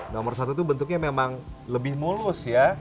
nomor satu itu bentuknya memang lebih mulus ya